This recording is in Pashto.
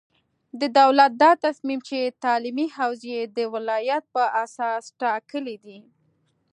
د دولت دا تصمیم چې تعلیمي حوزې یې د ولایت په اساس ټاکلې دي،